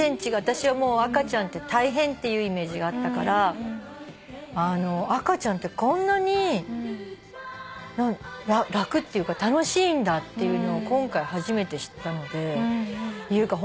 私は赤ちゃんって大変っていうイメージがあったから赤ちゃんってこんなに楽っていうか楽しいんだっていうのを今回初めて知ったので優香